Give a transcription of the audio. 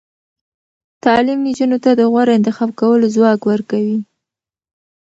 تعلیم نجونو ته د غوره انتخاب کولو ځواک ورکوي.